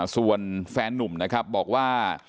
ส่วนแฟนนุ่มนะครับบอกว่า